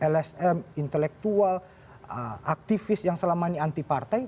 lsm intelektual aktivis yang selama ini anti partai